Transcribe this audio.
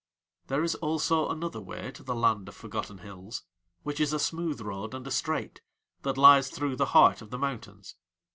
There is also another way to the land of forgotten hills, which is a smooth road and a straight, that lies through the heart of the mountains.